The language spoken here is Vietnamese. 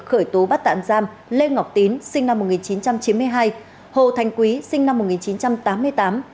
khởi tố bắt tạm giam lê ngọc tín sinh năm một nghìn chín trăm chín mươi hai hồ thành quý sinh năm một nghìn chín trăm tám mươi tám